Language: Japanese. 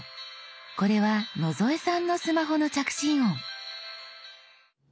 これは野添さんのスマホの着信音。